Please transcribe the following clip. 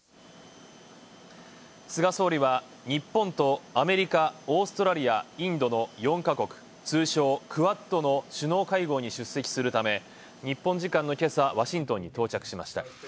菅総理は、日本とアメリカ、オーストラリア、インドの４カ国＝通称、クアッドの首脳会合に出席するため日本時間の今朝ワシントンに到着しました。